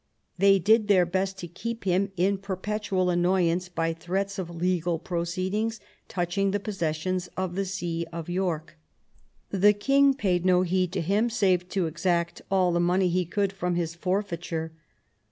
They did their best to keep him in perpetual annoyance by threats of legal proceedings touching the possessions of the see of York. The king paid no heed to him save to exact all the money he could from his forfeiture.